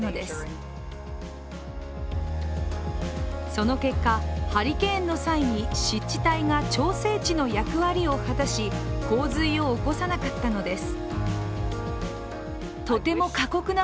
その結果、ハリケーンの際に湿地帯が調整池の役割を果たし洪水を起こさなかったのです。